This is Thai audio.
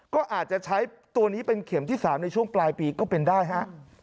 ก็อาจจะใช้ตัวนี้เป็นเข็มที่๓ในช่วงปลายปีก็เป็นได้ฮะ